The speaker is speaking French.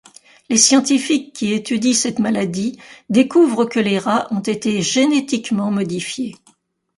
Les scientifiques qui étudient cette maladie découvrent que les rats ont été génétiquement modifiés.